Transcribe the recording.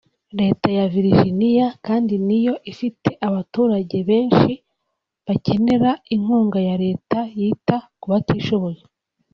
Leta ya Viriginia kandi ni yo ifite abaturage benshi bakenera inkunga ya Leta yita ku batishoboye